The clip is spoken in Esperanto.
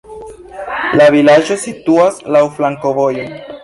La vilaĝo situas laŭ flankovojoj.